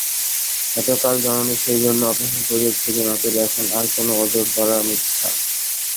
এতকাল জননী সেইজন্য অপেক্ষা করিয়া ছিলেন, অতএব এখন আর কোনো ওজর করা মিথ্যা।